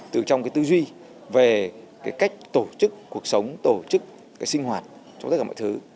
từ trong cái tư duy về cái cách tổ chức cuộc sống tổ chức cái sinh hoạt cho tất cả mọi thứ